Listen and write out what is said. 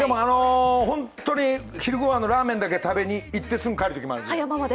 本当に昼御飯のラーメンだけ食べに行ってすぐに帰ってきます。